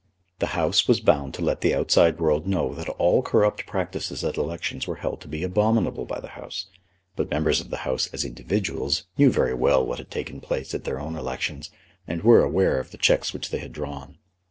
The House was bound to let the outside world know that all corrupt practices at elections were held to be abominable by the House; but Members of the House, as individuals, knew very well what had taken place at their own elections, and were aware of the cheques which they had drawn.